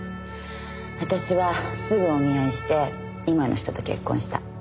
私はすぐお見合いして今の人と結婚した。